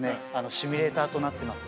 シミュレーターとなってます。